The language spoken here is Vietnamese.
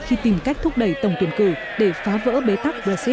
khi tìm quyết